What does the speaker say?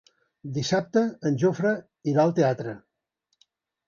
Dissabte en Jofre irà al teatre.